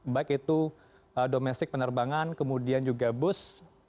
baik itu domestik penerbangan kemudian juga bus